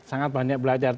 sangat banyak belajar